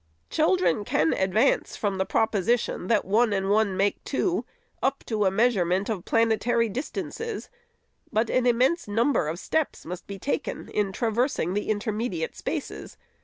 Children can advance from the proposition, that one and one make two, up to the meas urement of planetary distances, but an immense number of steps must be taken in traversing the intermediate spaces.